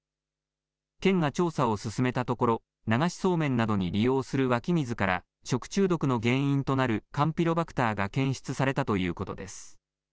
県が調査を進めたところ流しそうめんなどに利用する湧き水から食中毒の原因となるカンピロバクターが検出されたということです。